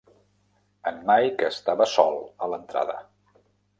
En Mike estava sol a l'entrada.